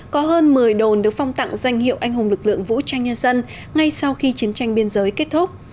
có hơn một mươi đồn được phong tặng danh hiệu anh hùng lực lượng vũ trang nhân dân ngay sau khi chiến tranh biên giới kết thúc